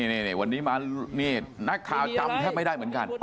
นี่วันนี้มานี่นักข่าวจำแทบไม่ได้เหมือนกัน